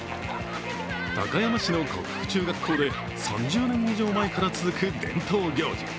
高山市の国府中学校で３０年以上前から続く伝統行事